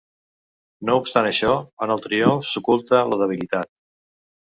No obstant això, en el triomf s'oculta la debilitat.